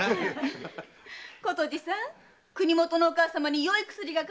琴路さん国元のお母様によい薬が買えますね。